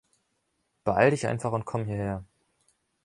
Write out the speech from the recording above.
Beeil dich einfach und komm hierher.